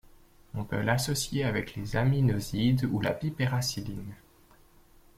On peut l'associer avec les aminosides ou la pipéracilline.